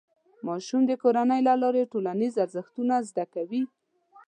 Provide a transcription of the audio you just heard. ماشوم د کورنۍ له لارې ټولنیز ارزښتونه زده کوي.